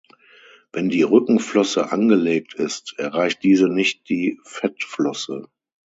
Wenn die Rückenflosse angelegt ist, erreicht diese nicht die Fettflosse.